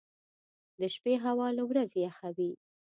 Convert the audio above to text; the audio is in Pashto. • د شپې هوا له ورځې یخه وي.